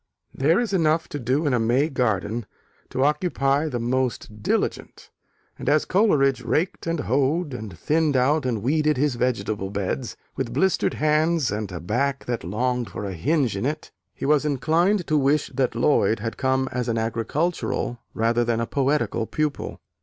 There is enough to do in a May garden to occupy the most diligent: and as Coleridge raked and hoed and thinned out and weeded his vegetable beds, with blistered hands and a back that longed for a hinge in it, he was inclined to wish that Lloyd had come as an agricultural rather than a poetical pupil.